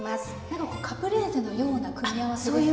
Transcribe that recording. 何かこうカプレーゼのような組み合わせですけど。